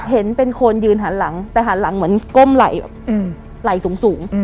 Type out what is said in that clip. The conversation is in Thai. เห็นเป็นคนยืนหันหลังแต่หันหลังเหมือนก้มไหล่แบบไหล่สูง